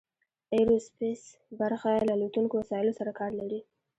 ایرو سپیس برخه له الوتونکو وسایلو سره کار لري.